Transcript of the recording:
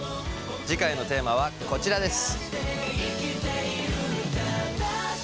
次回のテーマはこちらです。